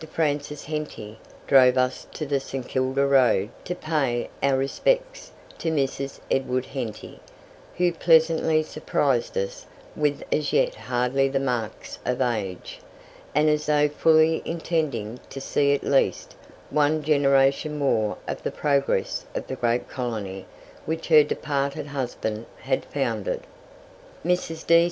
Francis Henty drove us to the St. Kilda road to pay our respects to Mrs. Edward Henty, who pleasantly surprised us with as yet hardly the marks of age, and as though fully intending to see at least one generation more of the progress of the great colony which her departed husband had founded. Mrs.